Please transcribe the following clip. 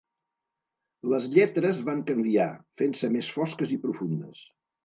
Les lletres van canviar, fent-se més fosques i profundes.